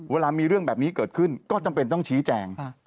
เวลามีเรื่องแบบนี้เกิดขึ้นก็จำเป็นต้องชี้แจง